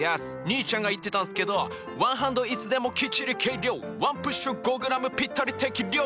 兄ちゃんが言ってたんすけど「ワンハンドいつでもきっちり計量」「ワンプッシュ５ｇぴったり適量！」